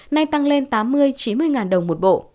nay tăng lên tám mươi chín mươi ngàn đồng một bộ